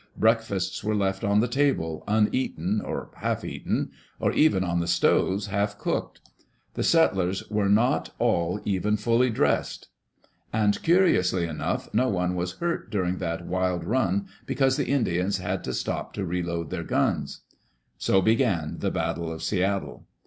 Breakfasts were left on the table, uneaten or half eaten, or even on the stoves half cooked. Digitized by CjOOQ IC THE BATTLE OF SEATILE The settlers were not all even fully dressed. And, curi ously enough, no one was hurt during that wild run be cause the Indians had to stop to reload their guns. So began the battle of Seattle.